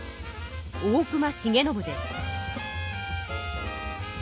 大隈重信です。